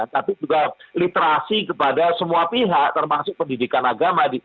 tapi juga literasi kepada semua pihak termasuk pendidikan agama